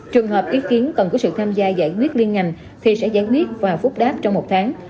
trường hợp ý kiến cần có sự tham gia giải quyết liên ngành thì sẽ giải quyết và phúc đáp trong một tháng